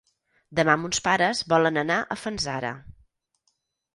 Demà mons pares volen anar a Fanzara.